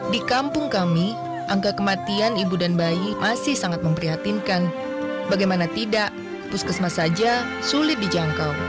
di kampung kami angka kematian ibu dan bayi masih sangat memprihatinkan bagaimana tidak puskesmas saja sulit dijangkau